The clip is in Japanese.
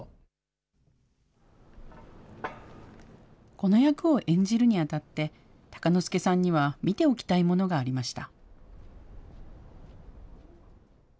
この役を演じるにあたって、鷹之資さんには見ておきたいものがありました。